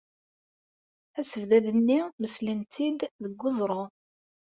Asebdad-nni meslen-t-id deg weẓru.